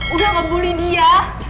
udah nggak bully dia